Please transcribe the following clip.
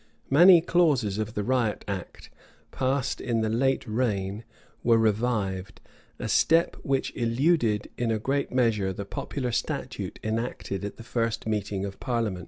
Many clauses of the riot act, passed in the late reign, were revived: a step which eluded in a great measure the popular statute enacted at the first meeting of parliament.